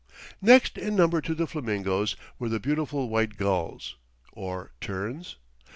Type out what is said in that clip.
Next in number to the flamingoes were the beautiful white gulls (or terns?)